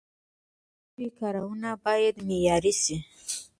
د ژبي کارونه باید معیاري سی.